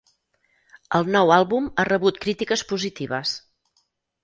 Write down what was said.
El nou àlbum ha rebut crítiques positives.